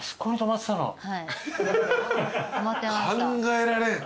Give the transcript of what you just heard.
考えられん。